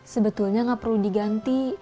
sebetulnya nggak perlu diganti